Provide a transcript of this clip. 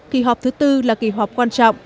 kỳ họp thứ tư là kỳ họp quan trọng